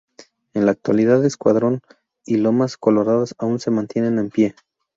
En la actualidad Escuadrón y Lomas Coloradas aún se mantienen en pie.